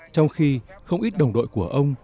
trong khi không ít đồng đội của ông